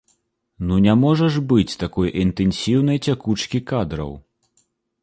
Ну не можа ж быць такой інтэнсіўнай цякучкі кадраў!